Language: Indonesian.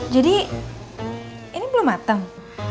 jadi ini belum mateng